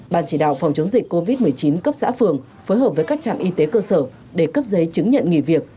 bàn chỉ đạo phòng chống dịch covid một mươi chín cấp xã phường phối hợp với các trạm y tế cơ sở để cấp giấy chứng nhận nghỉ việc